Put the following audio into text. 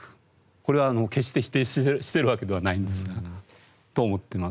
これは決して否定してるわけではないんですが。と思ってます。